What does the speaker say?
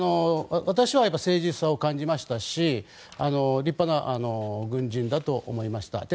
私は誠実さを感じましたし立派な軍人だと思いました。